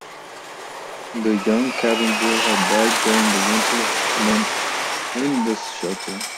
The young cabin boy had died during the winter months in the shelter.